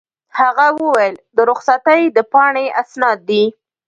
هغه وویل: د رخصتۍ د پاڼې اسناد دي.